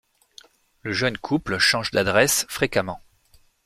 Le jeune couple change d'adresse fréquemment.